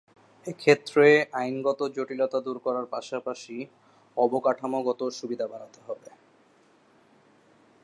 এ ক্ষেত্রে আইনগত জটিলতা দূর করার পাশাপাশি অবকাঠামোগত সুবিধা বাড়াতে হবে।